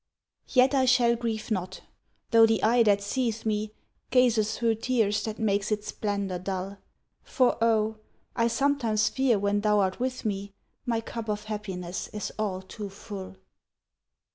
Yet I shall grieve not, though the eye that seeth me Gazeth through tears that makes its splendor dull; For oh! I sometimes fear when thou art with me, My cup of happiness is all too full.